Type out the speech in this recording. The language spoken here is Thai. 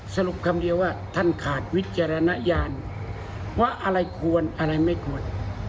สรุปคำเดียวว่าท่านขาดวิจารณญาณว่าอะไรควรอะไรไม่ควร